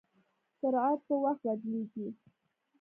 سرعت په وخت بدلېږي.